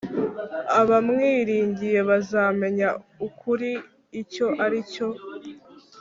Abamwiringiye bazamenya ukuri icyo ari cyo,